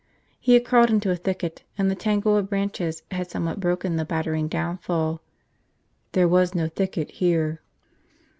He had crawled into a thicket, and the tangle of branches had somewhat broken the battering downfall. There was no thicket here.